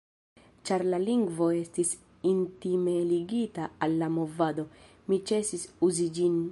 Ĉar la lingvo estis intime ligita al la movado, mi ĉesis uzi ĝin.